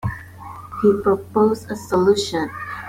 He proposed a solution.